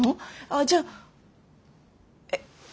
あっじゃあえっ？